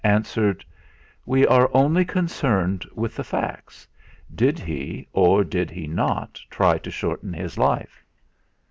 answered: "We are only concerned with the facts. Did he or did he not try to shorten his life?"